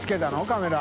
カメラ。